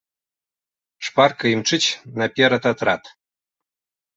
Шпарка імчыць наперад атрад.